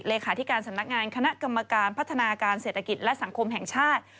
เลขาธิการสำนักงานคณะกรรมการพัฒนาการเศรษฐกิจและสังคมแห่งชาติ